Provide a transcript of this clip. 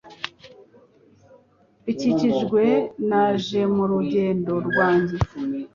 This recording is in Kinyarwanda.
Bikikijwe Naje mu rugendo rwanjye